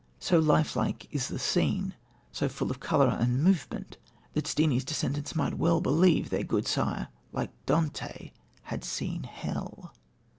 So lifelike is the scene, so full of colour and movement, that Steenie's descendants might well believe that their gudesire, like Dante, had seen Hell.